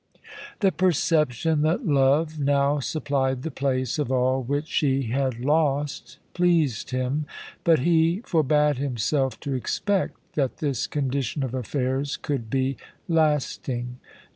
The perception that love now supplied the place of all which she had lost pleased him, but he forbade himself to expect that this condition of affairs could be lasting.